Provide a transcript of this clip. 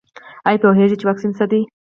ایا پوهیږئ چې واکسین څه دی؟